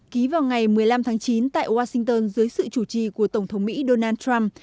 ký vào ngày một mươi năm tháng chín tại washington dưới sự chủ trì của tổng thống mỹ donald trump